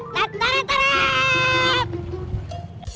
tarap tarap tarap